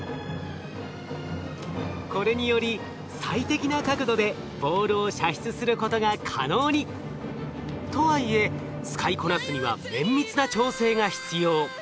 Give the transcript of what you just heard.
これにより最適な角度でボールを射出することが可能に！とはいえ使いこなすには綿密な調整が必要。